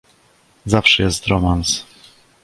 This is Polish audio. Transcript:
"Zawsze jest romans."